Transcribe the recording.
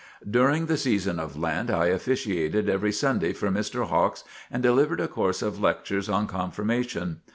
During the season of Lent I officiated every Sunday for Mr. Hawks and delivered a course of lectures on "Confirmation."